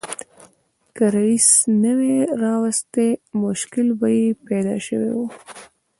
که رییس نه وای راوستي مشکل به یې پیدا شوی و.